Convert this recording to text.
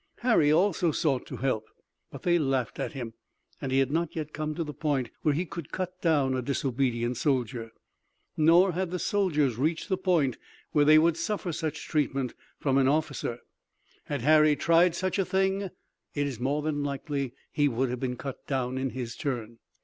Harry also sought to help, but they laughed at him, and he had not yet come to the point where he could cut down a disobedient soldier. Nor had the soldiers reached the point where they would suffer such treatment from an officer. Had Harry tried such a thing it is more than likely that he would have been cut down in his turn.